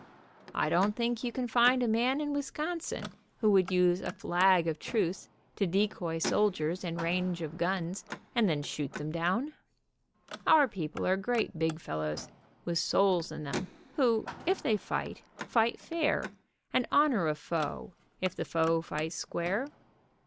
I don't think you 'can find a man in Wisconsin who would use a flag of truce to decoy soldiers in range of guns, and then shoot them down. Our people are great big fellows, with souls in them, who, if they 132 WHY THEY DID NOT ENLIST fight, fight fair, and honor a foe if the foe fights square.